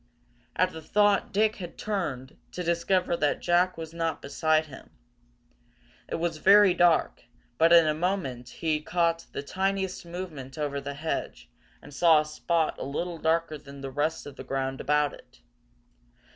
At the thought Dick had turned, to discover that Jack was not beside him. It was very dark, but in a moment he caught the tiniest movement over the hedge, and saw a spot a little darker than the rest of the ground about it.